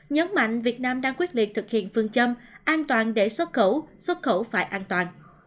nhấn mạnh việt nam đang quyết liệt thực hiện phương châm an toàn để xuất khẩu xuất khẩu phải an toàn